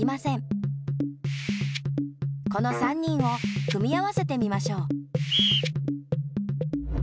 この３人を組み合わせてみましょう。